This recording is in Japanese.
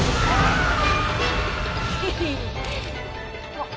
あっ。